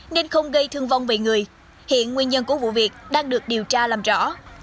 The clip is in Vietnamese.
nên không gây thương vong về người hiện nguyên nhân của vụ việc đang được điều tra làm rõ